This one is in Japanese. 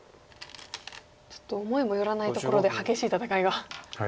ちょっと思いもよらないところで激しい戦いが。